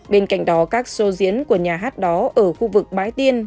bên cạnh đó các show diễn của nhà hát đó ở khu vực bãi tiên